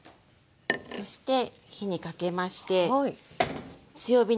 そして火にかけまして強火にかけます。